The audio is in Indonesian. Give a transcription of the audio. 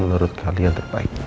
menurutmu apa yang terbaik